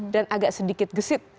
dan agak sedikit gesit